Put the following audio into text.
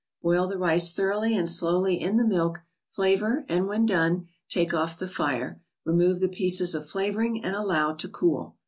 Boil the rice thoroughly and slowly in the milk, flavor, and when done, take off the fire; remove the pieces of flavoring, and allow to cool.